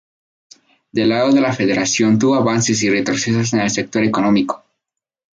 Del lado de la Federación, hubo avances y retrocesos en el sector económico.